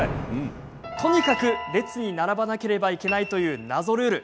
とにかく列に並ばなきゃいけないという謎ルール